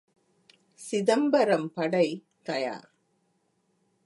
சிதம்பரம் படை தயார்!